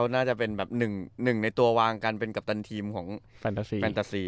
๑ในตัววางกันเป็นกัปตันทีมของแฟนตาซี